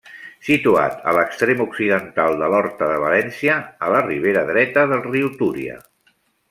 Situat a l'extrem occidental de l'Horta de València, a la ribera dreta del riu Túria.